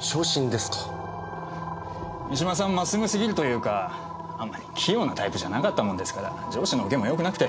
真っ直ぐすぎるというかあんまり器用なタイプじゃなかったもんですから上司の受けもよくなくて。